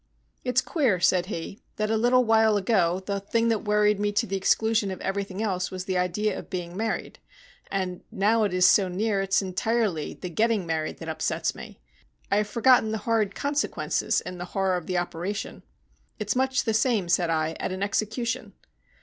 "It's queer," said he, "that a little while ago the thing that worried me to the exclusion of everything else was the idea of being married, and now it is so near it's entirely the getting married that upsets me. I have forgotten the horrid consequences in the horror of the operation." "It's much the same," said I, "at an execution."